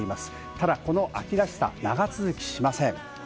ただ、この秋らしさ、長続きしません。